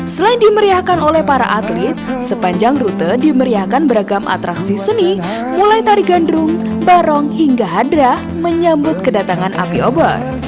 selain dimeriahkan oleh para atlet sepanjang rute dimeriahkan beragam atraksi seni mulai tari gandrung barong hingga hadrah menyambut kedatangan api obor